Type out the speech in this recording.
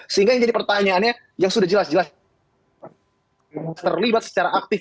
sehingga yang jadi pertanyaannya yang sudah jelas jelas terlibat secara aktif